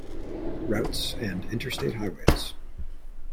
Routes, and Interstate Highways.